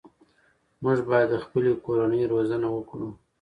موږ باید د خپلې کورنۍ روزنه وکړو.